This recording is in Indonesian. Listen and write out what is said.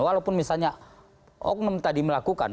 walaupun misalnya oknum tadi melakukan